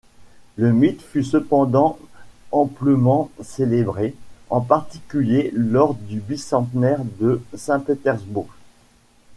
Le mythe fut cependant amplement célébré, en particulier lors du bicentenaire de Saint-Pétersbourg.